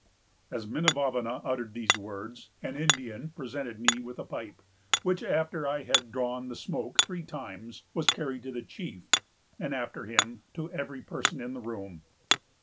"As Minavavana uttered these words, an Indian presented me with a pipe, which, after I had drawn the smoke three times, was carried to the chief, and after him to every person in the room.